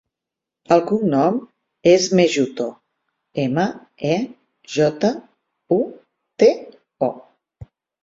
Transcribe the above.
El cognom és Mejuto: ema, e, jota, u, te, o.